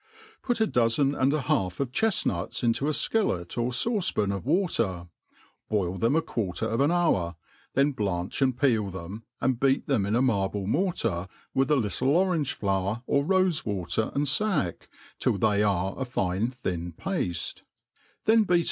PUT a dozen and a half of chefnuts into a fkillet or (auce pan #f water» boil tbegi a quarter of an hour, then blanch and peel |tiem» arn) beat th^m in a marble mortar, with a litde orange flower or rofe water ^nd fack* till they are a fi^e thin pafte^ then beat.